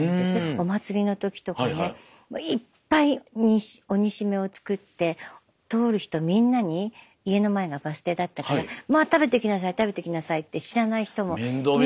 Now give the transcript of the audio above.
お祭りの時とかねいっぱいお煮しめを作って通る人みんなに家の前がバス停だったからまあ食べていきなさい食べていきなさいって知らない人も。